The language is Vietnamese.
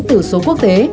từ số quốc tế